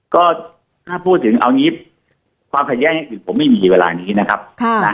ก็ถ้าพูดถึงเอาอย่างงี้ความขยะแย่คือผมไม่มีเวลานี้นะครับค่ะ